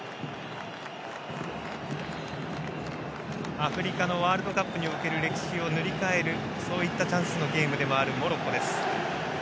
アフリカのワールドカップにおける歴史を塗り替えるそういったチャンスのゲームでもあるモロッコです。